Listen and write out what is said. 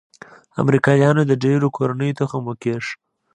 امریکايانو د ډېرو کورنيو تخم وکيښ.